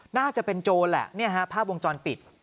น่าจะเป็นโจรแหละนี่ฮะภาพวงจรปิด